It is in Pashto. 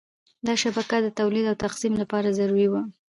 دا شبکه د تولید او تقسیم لپاره ضروري وه.